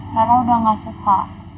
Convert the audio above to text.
rara udah gak suka